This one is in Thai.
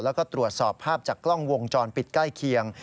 แล้วก็ตรวจสอบภาพจากกล้องวงจรปิดใกล้เคียง